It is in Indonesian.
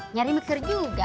nyari mixer juga